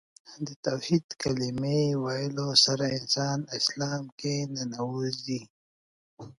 د توحید کلمې ویلو سره انسان اسلام کې ننوځي .